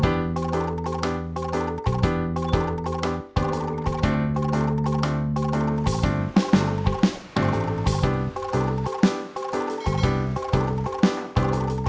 dia terpaksa resign karena kesalahan saya